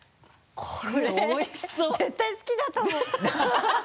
絶対、好きだと思う。